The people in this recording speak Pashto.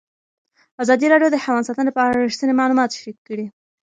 ازادي راډیو د حیوان ساتنه په اړه رښتیني معلومات شریک کړي.